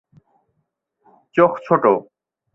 চোখ ছোট।